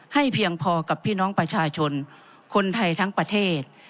เพียงพอกับพี่น้องประชาชนคนไทยทั้งประเทศ